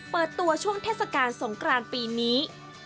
เปิดตัวช่วงเทศกาลสงกรานปีนี้